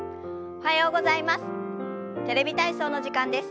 おはようございます。